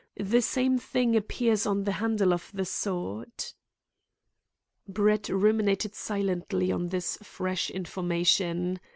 "The same thing appears on the handle of the sword." Brett ruminated silently on this fresh information.